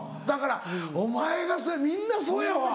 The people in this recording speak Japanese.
だからお前がみんなそうやわ。